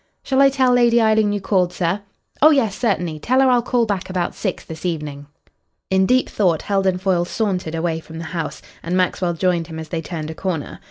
"Shall I tell Lady Eileen you called, sir?" "Oh yes, certainly. Tell her I'll call back about six this evening." In deep thought Heldon Foyle sauntered away from the house, and Maxwell joined him as they turned a corner.